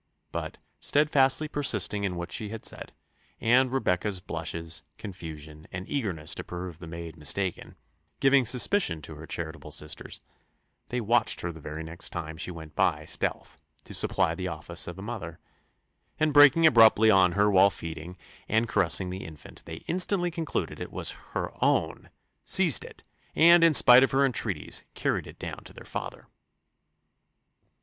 But steadfastly persisting in what she had said, and Rebecca's blushes, confusion, and eagerness to prove the maid mistaken, giving suspicion to her charitable sisters, they watched her the very next time she went by stealth to supply the office of a mother; and breaking abruptly on her while feeding and caressing the infant, they instantly concluded it was her own; seized it, and, in spite of her entreaties, carried it down to their father.